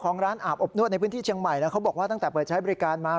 นวดในพื้นที่เชียงใหม่แล้วเขาบอกว่าตั้งแต่เปิดใช้บริการมา